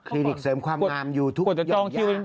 คลินิกเสริมความงามอยู่ทุกหย่อนอย่าง